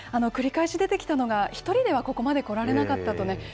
繰り返し出てきたのが、１人ではここまで来られなかったとね。